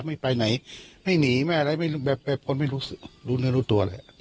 ไม่ไปไหนไม่หนีไม่อะไรไม่รู้แบบคนไม่รู้รู้เนื้อรู้ตัวเลย